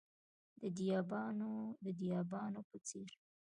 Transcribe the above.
د دیبانو په څیر،